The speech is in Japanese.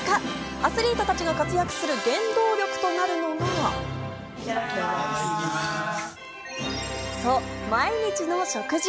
アスリートたちが活躍する原動力となるのが毎日の食事。